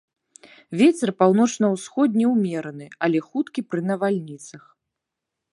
Вецер паўночна-усходні ўмераны, але хуткі пры навальніцах.